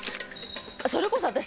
それこそ私